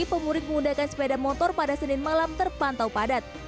pemudik menggunakan sepeda motor pada senin malam terpantau padat